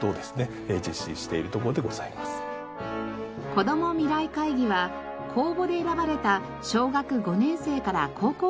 「子ども☆ミライ会議」は公募で選ばれた小学５年生から高校生までが参加。